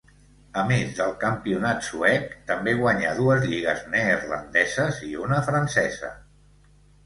A més del campionat suec, també guanyà dues lligues neerlandeses i una francesa.